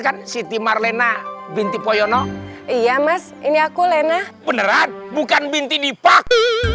kan siti marlena binti poyono iya mas ini aku lena beneran bukan binti di pagi